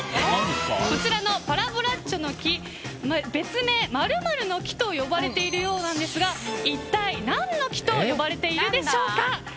こちらのパラボラッチョの木別名、○○の木と呼ばれているようですが一体、何の木と呼ばれているでしょうか。